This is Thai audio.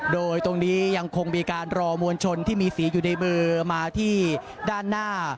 โดยตรงนี้ยังคงมีการรอมวลชนที่มีสีอยู่ในมือมาที่ด้านหน้า